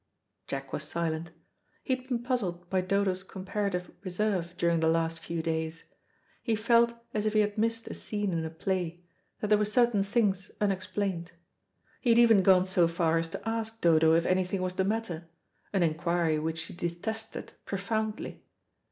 Jack was silent. He had been puzzled by Dodo's comparative reserve during the last few days. He felt as if he had missed a scene in a play, that there were certain things unexplained. He had even gone so far as to ask Dodo if anything was the matter, an inquiry which she detested profoundly.